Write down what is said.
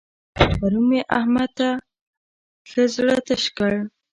پرون مې احمد ته ښه زړه تش کړ.